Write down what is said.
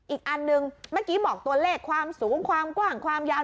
อีกอันหนึ่งเมื่อกี้บอกตัวเลขความสูงความกว้างความยาว